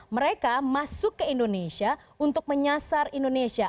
mereka masuk ke indonesia untuk menyasar indonesia